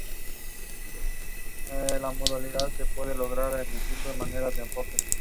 Ambos están felices, pero no están seguros de lo que sucederá en el futuro.